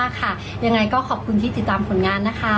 ยังไงก็ขอบคุณที่ติดตามผลงานนะคะ